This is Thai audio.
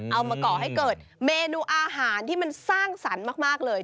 เอามาก่อให้เกิดเมนูอาหารที่มันสร้างสรรค์มากเลย